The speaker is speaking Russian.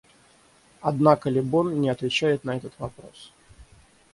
Однако Лебон не отвечает на этот вопрос.